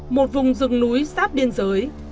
một vùng rừng núi sát biên giới